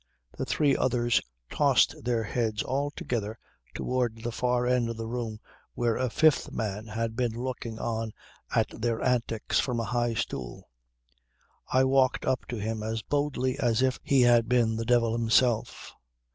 The three others tossed their heads all together towards the far end of the room where a fifth man had been looking on at their antics from a high stool. I walked up to him as boldly as if he had been the devil himself.